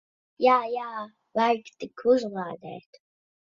Jā. Jā. Vajag tik uzlādēt.